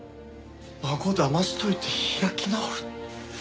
孫騙しといて開き直る。